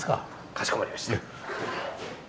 かしこまりました。